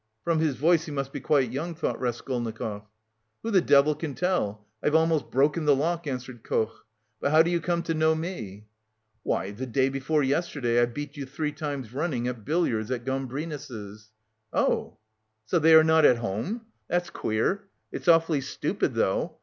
"From his voice he must be quite young," thought Raskolnikov. "Who the devil can tell? I've almost broken the lock," answered Koch. "But how do you come to know me?" "Why! The day before yesterday I beat you three times running at billiards at Gambrinus'." "Oh!" "So they are not at home? That's queer. It's awfully stupid though.